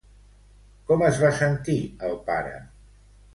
Com es va sentir el pare?